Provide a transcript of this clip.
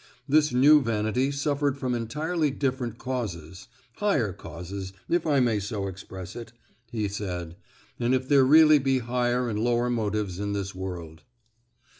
This new vanity suffered from entirely different causes, "higher causes, if I may so express it," he said, "and if there really be higher and lower motives in this world."